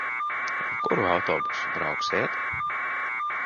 Ar kuru autobusu brauksiet?